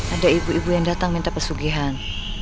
ada ibu ibu yang datang minta pesugihan